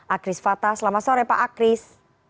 akris fata selamat sore pak akris